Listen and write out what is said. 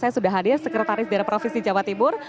saya sudah hadir sekretaris daerah provinsi jawa timur